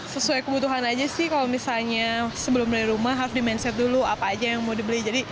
sesuai kebutuhan aja sih kalau misalnya sebelum beli rumah harus di mindset dulu apa aja yang mau dibeli